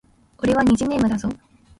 俺は虹ネームだぞ